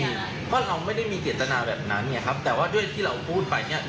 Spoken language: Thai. เพราะเราไม่ได้มีเจตนาแบบนั้นไงครับแต่ว่าด้วยที่เราพูดไปเนี่ย